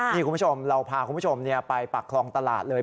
นี่คุณผู้ชมเราพาคุณผู้ชมไปปากคลองตลาดเลย